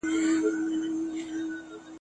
دا په دې چي غنم عقل ته تاوان دئ ..